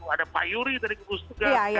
ada pak yuri dari gugus tugas